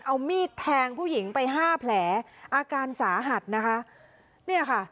เอามีดแทงผู้หญิงไป๕แผลอาการสาหัสนะคะ